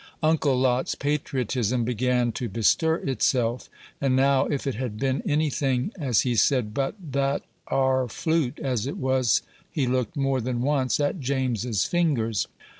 Uncle Lot's patriotism began to bestir itself; and now, if it had been any thing, as he said, but "that 'are flute" as it was, he looked more than once at James's fingers.